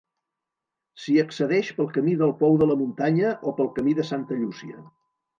S'hi accedeix pel camí del Pou de la Muntanya, o pel camí de Santa Llúcia.